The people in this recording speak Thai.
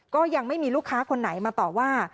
ก็ยังไม่มีลูกค้าคนไหนมาต่อว่า